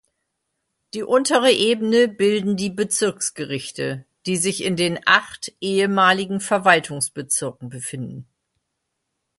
Die untere Ebene bilden die Bezirksgerichte, die sich in den acht ehemaligen Verwaltungsbezirken befinden.